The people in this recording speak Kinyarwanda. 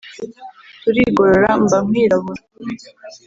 Turigorora mba nkwirabura